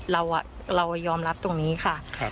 เรายอมรับตรงนี้ค่ะ